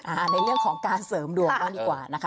ในเรื่องของการเสริมดวงบ้างดีกว่านะคะ